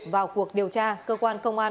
vào cuộc điều tra cơ quan công an